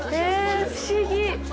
不思議。